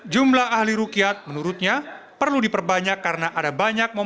jumlah ahli rukiat menurutnya perlu diperbanyak karena ada banyak momen